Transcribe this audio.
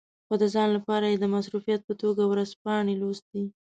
خو د ځان لپاره یې د مصروفیت په توګه ورځپاڼې لوستې.